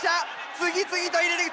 次々と入れていく！